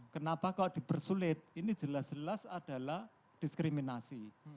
kenapa kalau dipersulit ini jelas jelas adalah diskriminasi